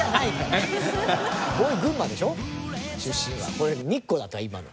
これ日光だったから今の。